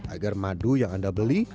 agar madu yang anda beli